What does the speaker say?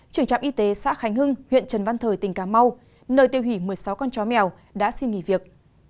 trưởng trạm y tế xã khánh hưng huyện trần văn thời tỉnh cà mau nơi tiêu hủy một mươi sáu con chó mèo đã xin nghỉ việc